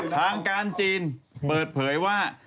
ทางการจีนเปิดเผยว่า